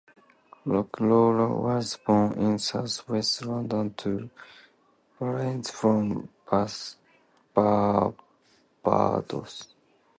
Rollock was born in South West London to parents from Barbados.